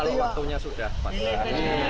kalau waktunya sudah